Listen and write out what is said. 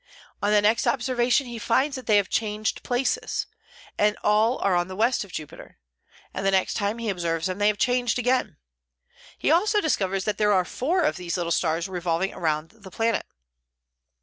On the next observation he finds that they have changed places, and are all on the west of Jupiter; and the next time he observes them they have changed again. He also discovers that there are four of these little stars revolving round the planet.